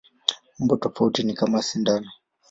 Umbo tofauti ni kama sindano.